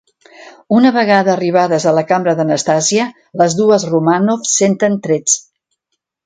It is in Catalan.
Una vegada arribades a la cambra d'Anastàsia, les dues Romànov senten trets.